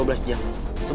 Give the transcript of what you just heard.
gak boleh kayak gini